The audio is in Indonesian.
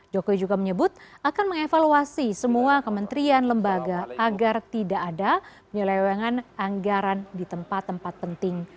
jokowi juga menyebut akan mengevaluasi semua kementerian lembaga agar tidak ada penyelewengan anggaran di tempat tempat penting